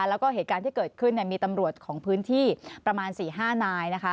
แล้วก็เหตุการณ์ที่เกิดขึ้นมีตำรวจของพื้นที่ประมาณ๔๕นายนะคะ